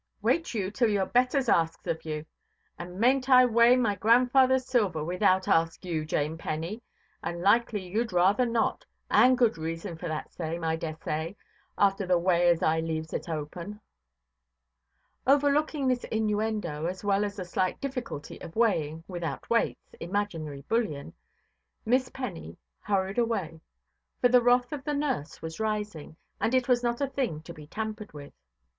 Wait you till your betters asks of you. And maynʼt I weigh my grandfatherʼs silver, without ask you, Jane Penny? And likely youʼd rather not, and good reason for that same, I dessay, after the way as I leaves it open". Overlooking this innuendo, as well as the slight difficulty of weighing, without weights, imaginary bullion, Miss Penny hurried away; for the wrath of the nurse was rising, and it was not a thing to be tampered with.